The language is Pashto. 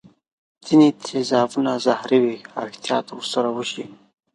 ځیني تیزابونه زهري وي او احتیاط ور سره وشي.